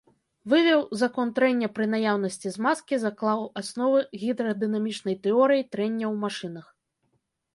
Вывеў закон трэння пры наяўнасці змазкі, заклаў асновы гідрадынамічнай тэорыі трэння ў машынах.